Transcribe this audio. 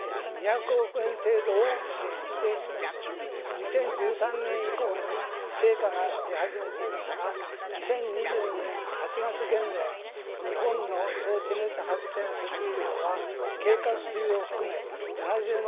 ２０１３年以降に成果が出始めていますが２０２２年８月現在日本の総地熱発電設備量は計画中を含め７０万